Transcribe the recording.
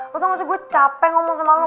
lu tau gak sih gue capek ngomong sama lu